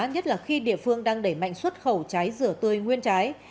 nhất là khi địa phương đang đẩy mạnh xuất khẩu trái rửa tươi nguyên trái